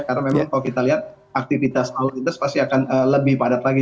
karena memang kalau kita lihat aktivitas alur alur pasti akan lebih padat lagi